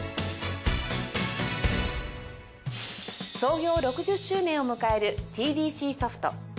創業６０周年を迎える ＴＤＣ ソフト